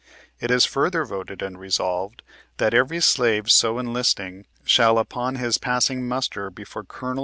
" It is farther Voted and Resolved, That every slave so enlisting, shall, upon his passing muster before Col.